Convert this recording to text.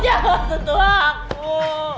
jangan tentu aku